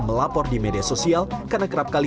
melapor di media sosial karena kerap kali